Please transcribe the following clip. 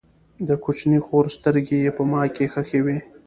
د کوچنۍ خور سترګې یې په ما کې خښې وې